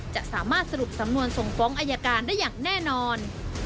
จะสามารถสรุปสำนวนส่งฟ้องอายการได้อย่างแน่นอน